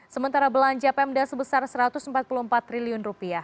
sementara belanja pemda sebesar rp satu ratus empat puluh empat triliun